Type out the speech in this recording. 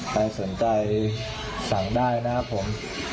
ใครสนใจสั่งได้นะครับผม